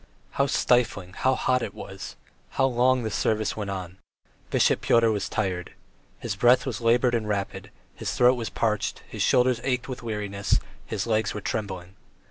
How stifling, how hot it was! How long the service went on! Bishop Pyotr was tired. His breathing was laboured and rapid, his throat was parched, his shoulders ached with weariness, his legs were trembling.